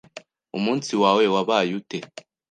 Umunsi wawe wabaye ute?